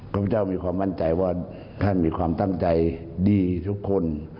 พระพุทธเจ้ามีความมั่นใจว่าท่านมีความตั้งใจดีทุกคน